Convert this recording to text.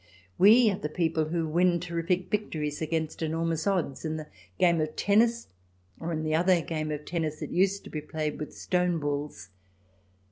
We are the people who will win terrific victories against enormous odds — in the game of tennis, or in the other game of tennis that used to be played with stone balls.